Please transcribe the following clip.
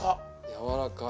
やわらかい。